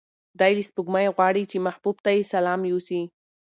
دی له سپوږمۍ غواړي چې محبوب ته یې سلام یوسي.